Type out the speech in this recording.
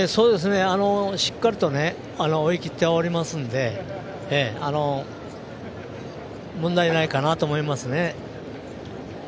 しっかりと追い切っておりますんで問題ないかなと思いますね。